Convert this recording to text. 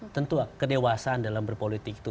tentu kedewasaan dalam berpolitik itu